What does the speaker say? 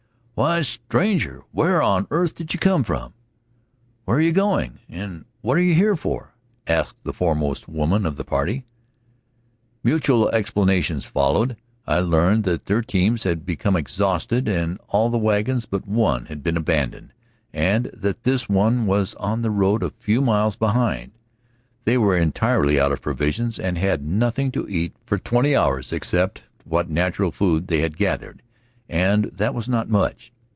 "Why, stranger! Where on earth did you come from? Where are you going, and what are you here for?" asked the foremost woman of the party. Mutual explanations followed. I learned that their teams had become exhausted and all the wagons but one had been abandoned, and that this one was on the road a few miles behind. They were entirely out of provisions and had had nothing to eat for twenty hours except what natural food they had gathered, and that was not much.